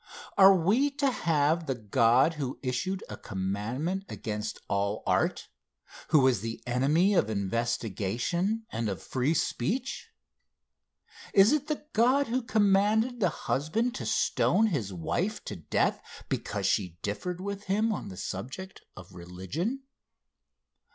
Are we to have the God who issued a commandment against all art who was the enemy of investigation and of free speech? Is it the God who commanded the husband to stone his wife to death because she differed with him on the subject of religion?